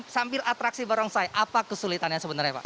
sambil atraksi barongsai apa kesulitannya sebenarnya pak